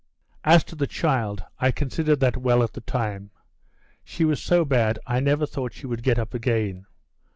"As to the child, I considered that well at the time. She was so bad I never thought she would get up again.